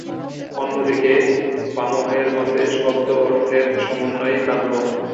অন্যদিকে ভামহের মতে শব্দ ও অর্থের সমন্বয়ই কাব্য।